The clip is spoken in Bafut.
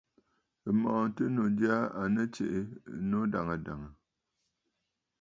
M̀mɔ̀ɔ̀ŋtənnǔ jyaa à nɨ tsiʼǐ ɨnnǔ dàŋə̀ dàŋə̀.